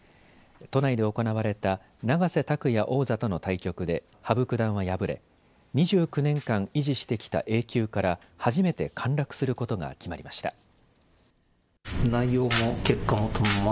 都内で行われた永瀬拓矢王座との対局で羽生九段は敗れ、２９年間維持してきたＡ級から初めて陥落することが決まりました。